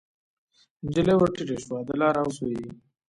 نجلۍ ورټیټه شوه د لار اغزو یې